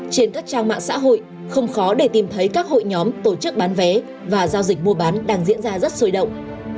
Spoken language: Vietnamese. trên các trang mạng xã hội không khó để tìm thấy các hội nhóm tổ chức bán vé và giao dịch mua bán đang diễn ra rất sôi động